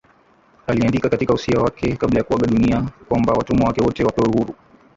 Aliandika katika usia wake kabla ya kuaga dunia kwamba watumwa wake wote wapewe uhuru